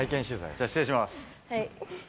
じゃあ、失礼します。